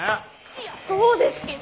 いやそうですけど。